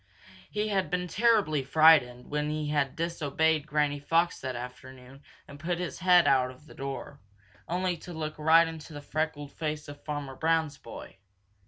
He had been terribly frightened when he had disobeyed Granny Fox that afternoon and put his head out the door, only to look right into the freckled face of Farmer Brown's boy.